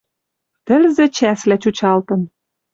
Тӹлзӹ чӓслӓ чучалтын.